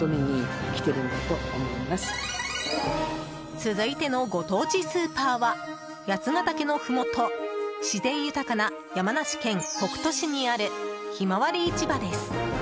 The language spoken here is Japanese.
続いてのご当地スーパーは八ケ岳のふもと自然豊かな山梨県北杜市にあるひまわり市場です。